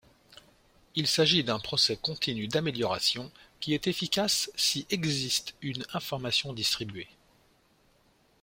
Il s'agit d'un procès continu d'amélioration qui est efficace si existe une information distribuée.